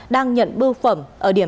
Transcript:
đang nhận bưu phẩm ở địa bàn tỉnh phú yên